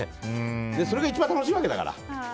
それが一番楽しいんだから。